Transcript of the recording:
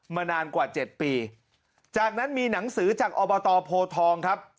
นานกว่าเจ็ดปีจากนั้นมีหนังสือจากอบตโพทองครับ